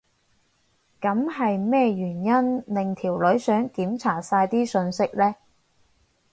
噉係咩原因令條女想檢查晒啲訊息呢？